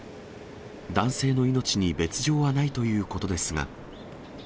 男性の命に別状はないということですが。